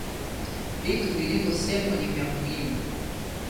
Vitu vilivyosemwa ni vya muhimu